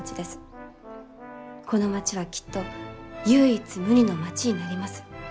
この町はきっと唯一無二の町になります。